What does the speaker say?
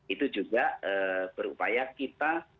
itu juga berupaya kita